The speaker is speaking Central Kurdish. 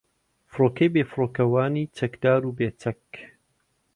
فۆرکەی بێفڕۆکەوانی چەکدار و بێچەک